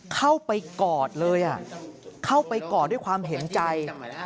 เข้าไปกอดเลยเข้าไปกอดด้วยความเห็นใจ